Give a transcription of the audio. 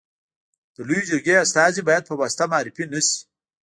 د لويي جرګي استازي باید په واسطه معرفي نه سي.